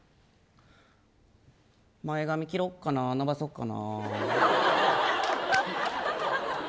前髪、切ろうかな伸ばそうかな。